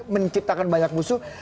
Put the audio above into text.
menciptakan banyak musuh